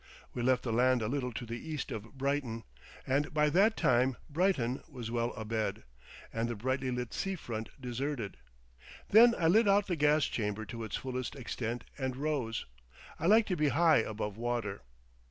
We left the land a little to the east of Brighton, and by that time Brighton was well abed. and the brightly lit sea front deserted. Then I let out the gas chamber to its fullest extent and rose. I like to be high above water.